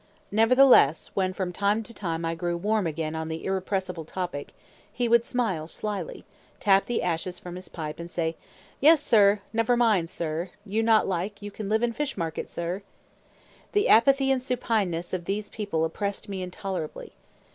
Nevertheless, when from time to time I grew warm again on the irrepressible topic, he would smile slyly, tap the ashes from his pipe, and say, "Yes, sir! Never mind, sir! You not like, you can live in fish market, sir!" The apathy and supineness of these people oppressed me intolerably.